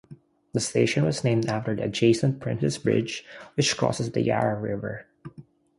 The station was named after the adjacent Princes Bridge, which crosses the Yarra River.